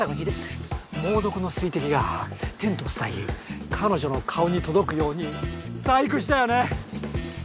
猛毒の水滴がテントを伝い彼女の顔に届くように細工したよね？